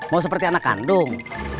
mau seperti anak kandung